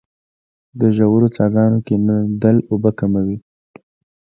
د ژورو څاګانو کیندل اوبه کموي